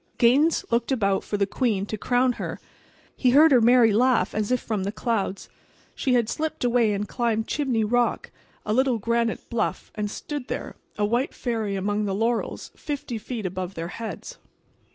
Gaines looked about for the queen to crown her. He heard her merry laugh, as if from the clouds. She had slipped away and climbed Chimney Rock, a little granite bluff, and stood there, a white fairy among the laurels, fifty feet above their heads.